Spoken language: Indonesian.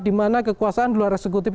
dimana kekuasaan luar eksekutif